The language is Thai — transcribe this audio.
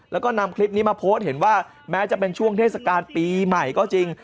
แล้วก็นำคลิปนี้มาโพสต์เห็นว่าแม้จะเป็นช่วงเทศกาลปีใหม่ก็จริง